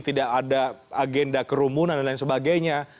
tidak ada agenda kerumunan dan lain sebagainya